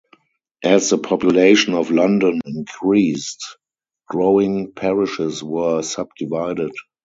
As the population of London increased, growing parishes were subdivided.